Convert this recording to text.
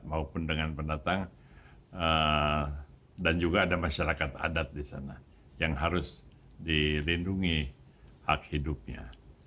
maupun dengan pendatang dan juga ada masyarakat adat di sana yang harus dilindungi hak hidupnya